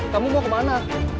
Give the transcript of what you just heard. kamu mau kemana